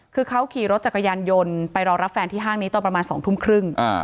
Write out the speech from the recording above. คือเขาขี่รถจักรยานยนต์ไปรอรับแฟนที่ห้างนี้ตอนประมาณ๒ทุ่มครึ่ง